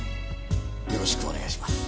よろしくお願いします。